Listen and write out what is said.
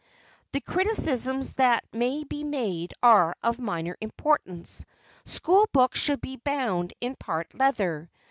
The criticisms that may be made are of minor importance. School books should be bound in part leather.